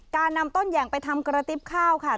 การนำต้นแหย่งไปทำกระติ๊บข้าวค่ะ